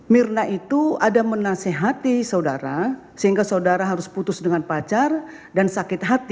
mirna itu ada menasehati saudara sehingga saudara harus putus dengan pacar dan sakit hati